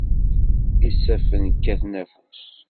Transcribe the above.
Isaffen kkaten afus.